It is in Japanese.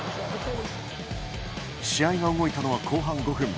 試合が動いたのは後半５分。